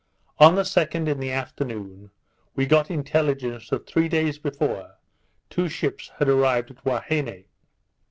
On the 2d, in the afternoon, we got intelligence that, three days before, two ships had arrived at Huaheine.